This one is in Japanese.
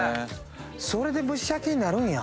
それで蒸し焼きになるんや。